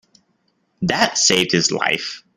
That saved his life.